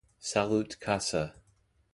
Salut Casa!